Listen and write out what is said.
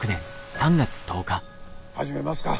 始めますか。